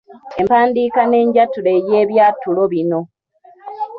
Empandiika n'enjatula ey’ebyatulo bino.